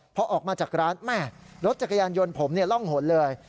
พอออกมาจากร้านแม่รถจักรยานยนต์ผมร่องหนเลย